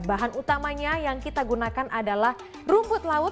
bahan utamanya yang kita gunakan adalah rumput laut